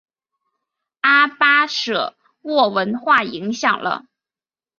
阿巴舍沃文化影响了。